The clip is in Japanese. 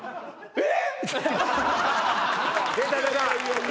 「えっ！？」